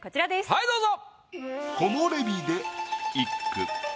はいどうぞ。